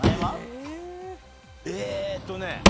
えーっとね。